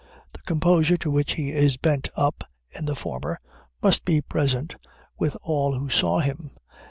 The composure to which he is bent up, in the former, must be present with all who saw him.